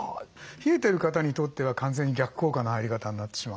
冷えてる方にとっては完全に逆効果の入り方になってしまうんですね。